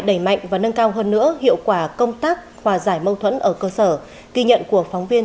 đẩy mạnh và nâng cao hơn nữa hiệu quả công tác hòa giải mâu thuẫn ở cơ sở ghi nhận của phóng viên